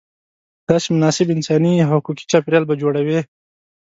داسې مناسب انساني او حقوقي چاپېریال به جوړوې.